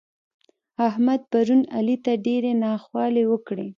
احمد پرون علي ته ډېرې ناخوالې وکړې.